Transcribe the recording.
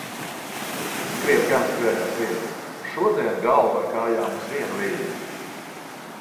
Skriet gan skrējās viegli, šodien galva ar kājām uz viena viļņa.